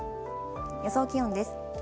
予想気温です。